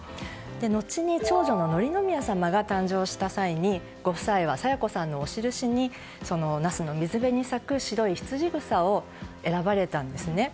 後に、長女の紀宮さまが誕生した際にご夫妻は清子さんのお印に水辺に咲くヒツジグサを選ばれたんですね。